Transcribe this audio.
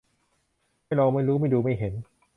ไม่ลองไม่รู้ ไม่ดูไม่เห็น